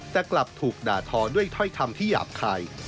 แต่กลับถูกด่าทอด้วยถ้อยคำที่หยาบคาย